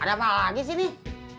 ada apa lagi sih nih